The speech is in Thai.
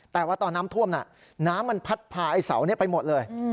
แต่ว่าตอนน้ำท่วมน่ะน้ำมันพัดพาไอ้เสานี้ไปหมดเลย